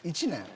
１年？